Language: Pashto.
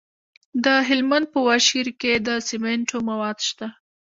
د هلمند په واشیر کې د سمنټو مواد شته.